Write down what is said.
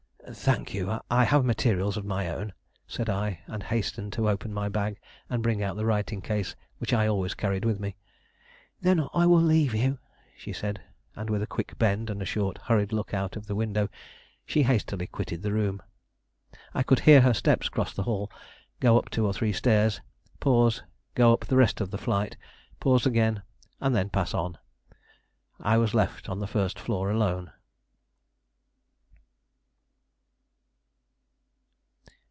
"Thank you; I have materials of my own," said I, and hastened to open my bag and bring out the writing case, which I always carried with me. "Then I will leave you," said she; and with a quick bend and a short, hurried look out of the window, she hastily quitted the room. I could hear her steps cross the hall, go up two or three stairs, pause, go up the rest of the flight, pause again, and then pass on. I was left on the first floor alone.